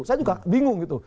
saya juga bingung gitu